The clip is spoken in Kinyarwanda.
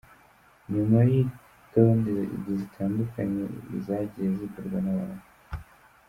Nyuma yintonde zitandukanye zagiye zikorwa nabantu.